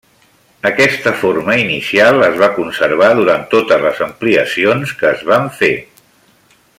Aquesta forma inicial es va conservar durant totes les ampliacions que es van fer.